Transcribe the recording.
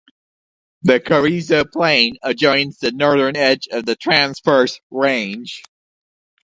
The Carrizo Plain adjoins the northern edge of the Transverse Range.